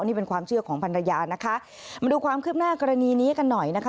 นี่เป็นความเชื่อของพันรยานะคะมาดูความคืบหน้ากรณีนี้กันหน่อยนะคะ